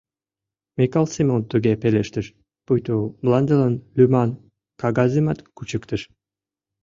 — Микал Семон туге пелештыш, пуйто мландылан лӱман кагазымат кучыктыш.